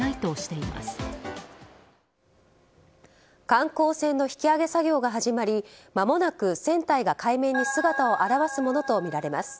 観光船の引き揚げ作業が始まりまもなく船体が海面に姿を現すものとみられます。